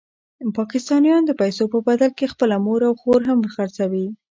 پاکستانیان د پیسو په بدل کې خپله مور او خور هم خرڅوي.